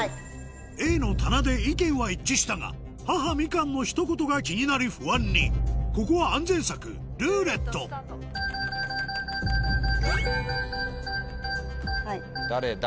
Ａの「棚」で意見は一致したが母みかんの一言が気になり不安にここは安全策「ルーレット」誰だ？